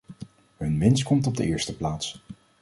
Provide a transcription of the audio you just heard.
Hun winst komt op de eerste plaats.